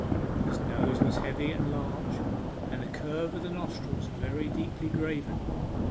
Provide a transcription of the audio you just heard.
His nose was heavy and large, and the curve of the nostrils very deeply graven.